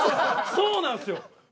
そうなんすよ。